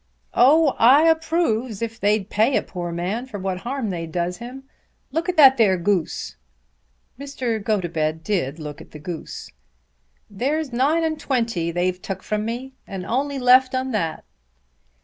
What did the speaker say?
"Oh, I approves if they'd pay a poor man for what harm they does him. Look at that there goose." Mr. Gotobed did look at the goose. "There's nine and twenty they've tuk from me, and only left un that."